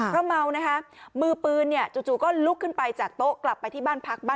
เพราะเมานะคะมือปืนเนี่ยจู่ก็ลุกขึ้นไปจากโต๊ะกลับไปที่บ้านพักบ้าน